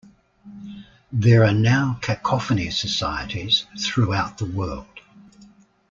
There are now Cacophony Societies throughout the world.